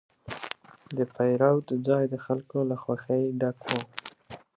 د پیرود ځای د خلکو له خوښې ډک و.